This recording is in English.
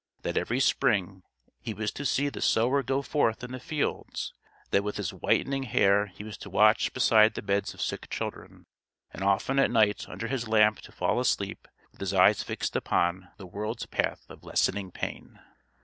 That every spring he was to see the sower go forth in the fields; that with his whitening hair he was to watch beside the beds of sick children; and often at night under his lamp to fall asleep with his eyes fixed upon The World's Path of Lessening Pain.